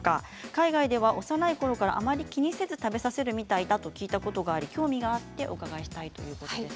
海外では幼いころからあまり気にせず食べさせるみたいだと聞いたことがあり興味があってお伺いしたいということです。